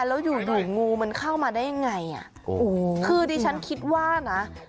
แล้วอยู่อยู่งูมันเข้ามาได้ยังไงอ่ะโอ้โหคือดิฉันคิดว่านะ